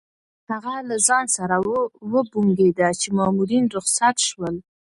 هغه له ځان سره وبونګېده چې مامورین رخصت شول.